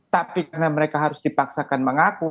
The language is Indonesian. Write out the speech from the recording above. tapi karena mereka harus dipaksakan mengaku